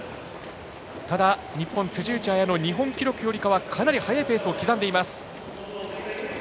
ただ、日本、辻内彩野日本記録よりかはかなり速いペースを刻んでいます。